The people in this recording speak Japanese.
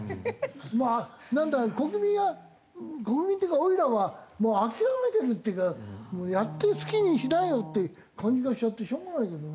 まあなんだか国民は国民っていうかおいらはもう諦めてるっていうかもうやって好きにしなよっていう感じがしちゃってしょうがないけどな。